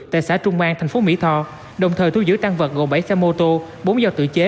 tại xã trung an thành phố mỹ tho đồng thời thu giữ tăng vật gồm bảy xe mô tô bốn giao tự chế